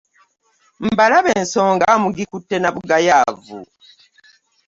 Mbalaba ensonga mugikutte na bugayaavu.